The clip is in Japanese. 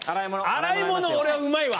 洗い物俺はうまいわ。